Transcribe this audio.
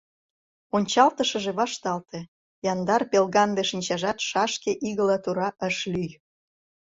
Ончалтышыже вашталте, яндар-пелганде шинчажат шашке игыла тура ыш лӱй.